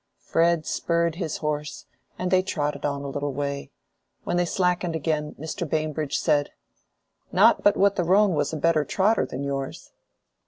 Fred spurred his horse, and they trotted on a little way. When they slackened again, Mr. Bambridge said— "Not but what the roan was a better trotter than yours."